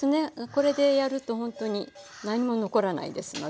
これでやるとほんとに何も残らないですので。